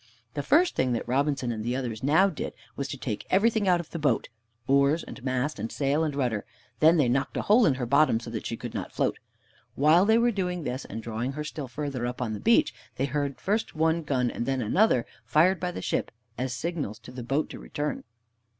The first thing that Robinson and the others now did was to take everything out of the boat oars, and mast, and sail, and rudder; then they knocked a hole in her bottom, so that she could not float. While they were doing this, and drawing her still further up on the beach, they heard first one gun and then another fired by the ship as signals to the boat to return.